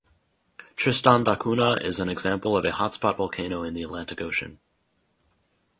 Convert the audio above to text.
Tristan da Cunha is an example of a hotspot volcano in the Atlantic Ocean.